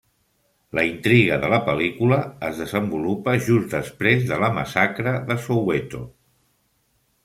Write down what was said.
La intriga de la pel·lícula es desenvolupa just després de la massacre de Soweto.